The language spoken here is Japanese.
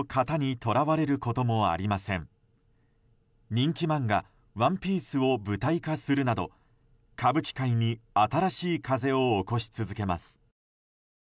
人気漫画「ＯＮＥＰＩＥＣＥ」を舞台化するなど歌舞伎界に新しい風を起こし続けます。